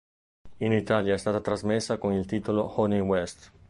In Italia è stata trasmessa con il titolo "Honey West".